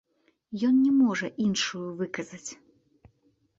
Ён не можа іншую выказаць.